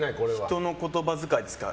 人の言葉遣いですか。